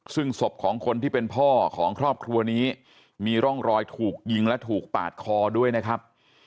ซึ่งศพของคนที่เป็นพ่อของครอบครัวนี้มีร่องรอยถูกยิงและถูกปาดคอด้วยนะครับ